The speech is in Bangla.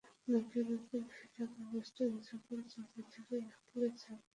নখের ওপর ভেজা কাগজটি কিছুক্ষণ চেপে ধরে রাখলেই ছাপ পড়ে যাবে।